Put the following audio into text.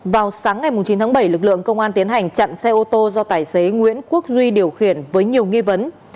vào sáng ngày chín tháng bảy lực lượng công an tiến hành chặn xe ô tô do tài xế nguyễn quốc duy điều khiển với nhiều nghi vấn